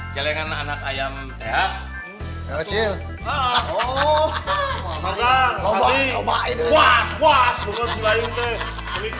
jangan dong asing